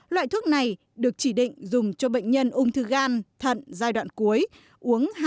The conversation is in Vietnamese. loại thuốc này được chỉ định dùng cho bệnh nhân ung thư gan thận giai đoạn cuối uống hai